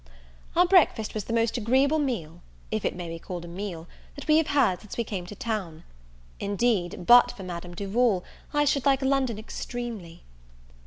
Our breakfast was the most agreeable meal, if it may be called a meal, that we have had since we came to town. Indeed, but for Madame Duval, I should like London extremely.